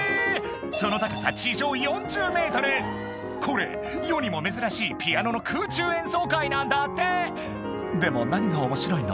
その高さこれ世にも珍しいピアノの空中演奏会なんだってでも何がおもしろいの？